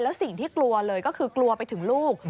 แล้วสิ่งที่กลัวเลยก็คือกลัวไปถึงลูก